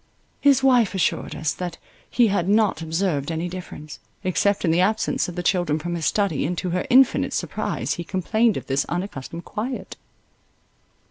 His wife assured us, that he had not observed any difference, except in the absence of the children from his study, and to her infinite surprise he complained of this unaccustomed quiet.